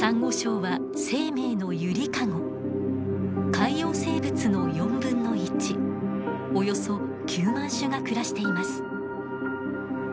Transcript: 海洋生物の４分の１およそ９万種が暮らしています。